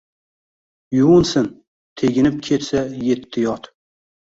Yuvinsin – teginib ketsa yetti yot.